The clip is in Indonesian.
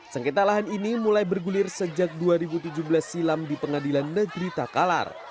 sengketa lahan ini mulai bergulir sejak dua ribu tujuh belas silam di pengadilan negeri takalar